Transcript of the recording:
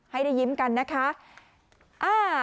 ให้ได้ยิ้มกันนะคะ